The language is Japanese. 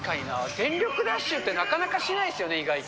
全力ダッシュってなかなかしないですよね、意外と。